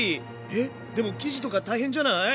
えっでも生地とか大変じゃない？